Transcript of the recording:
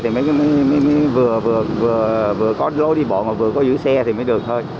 thì mới vừa có lối đi bộ mà vừa có giữ xe thì mới được thôi